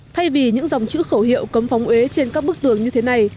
thay vì những dòng chữ khẩu hiệu cấm phóng ế trên các bức tường như thế này